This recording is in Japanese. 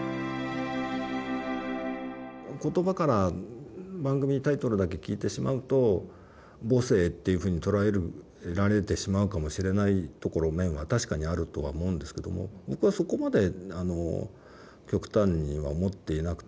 言葉から番組タイトルだけ聞いてしまうと母性っていうふうに捉えられてしまうかもしれない面は確かにあるとは思うんですけども僕はそこまで極端には思っていなくて。